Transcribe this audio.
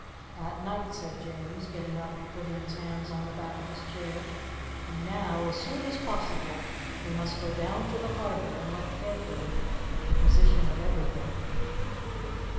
"At night," said James, getting up and putting his hands on the back of his chair. "And now, as soon as possible, we must go down to the harbour and look carefully at the position of everything."